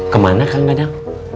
kemana kang dadang